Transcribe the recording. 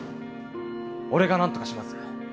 俺がなんとかします！